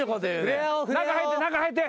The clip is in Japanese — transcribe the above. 中入って中入って。